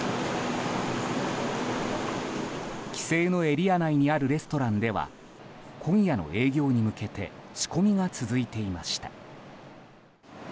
規制のエリア内にあるレストランでは今夜の営業に向けて仕込みが続いていました。